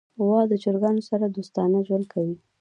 غوا د چرګانو سره دوستانه ژوند کوي.